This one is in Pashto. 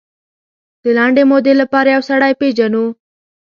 د لنډې مودې لپاره یو سړی پېژنو.